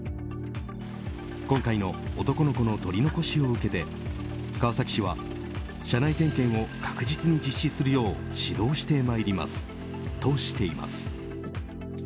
今回の男の子の取り残しを受けて川崎市は車内点検を確実に実施するよう指導してまいりますとしています。